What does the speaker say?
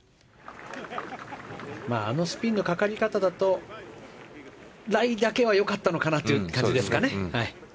あのスピンのかかり方だとライだけは良かったのかなという感じですかね。